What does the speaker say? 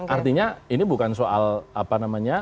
artinya ini bukan soal apa namanya